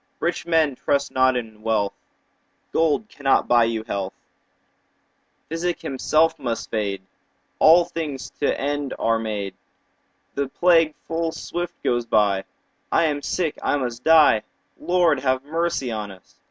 Rich men, trust not in wealth, Gold cannot buy you health; Physic himself must fade; 10 All things to end are made; The plague full swift goes by; I am sick, I must die— Lord, have mercy on us!